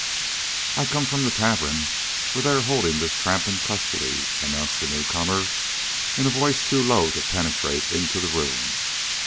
"I come from the tavern where they are holding this tramp in custody," announced the new comer in a voice too low to penetrate into the room.